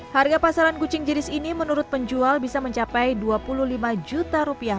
harga pasaran kucing jenis ini menurut penjual bisa menyebabkan